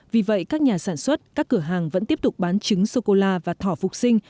vì vậy các nhà sản xuất các cửa hàng vẫn tiếp tục bán trứng sô cô la và thỏ phục sinh